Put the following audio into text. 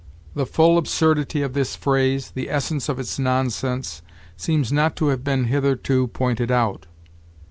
'The full absurdity of this phrase, the essence of its nonsense, seems not to have been hitherto pointed out.'